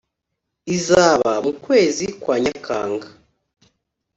izaba mu kwezi kwa Nyakanga